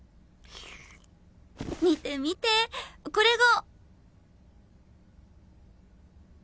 見て見てこれが。